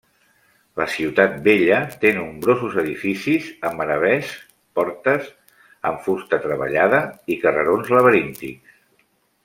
La ciutat vella té nombrosos edificis amb arabescs, portes amb fusta treballada, i carrerons laberíntics.